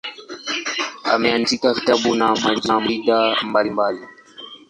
Ameandika vitabu na majarida mbalimbali.